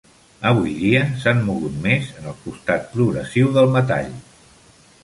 Avui dia, s'han mogut més en el costat progressiu del metall.